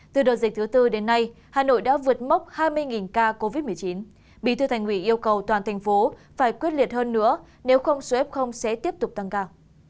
từ đợt dịch thứ tư đến nay hà nội đã vượt mốc hai mươi ca covid một mươi chín bí thư thành ủy yêu cầu toàn thành phố phải quyết liệt hơn nữa nếu không số f sẽ tiếp tục tăng cao